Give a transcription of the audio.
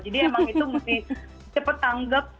jadi emang itu mesti cepet anggap